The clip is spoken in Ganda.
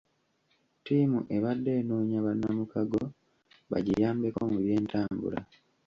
Ttiimu ebadde enoonya bannamukago bagiyambeko mu by'entambula.